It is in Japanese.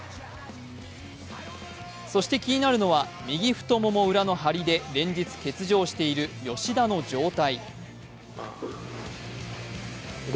そして気になるのは右太もも裏の張りで連日欠場している吉田の状態。